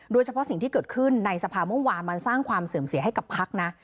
โดยเฉพาะสิ่งที่เกิดขึ้นในสภาเมื่อวานมันสร้างความเสื่อมเสียให้กับพักนะ